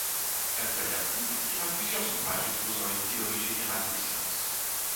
Alfred Lartigue écrira plusieurs ouvrages exposant une théorie générale des sciences.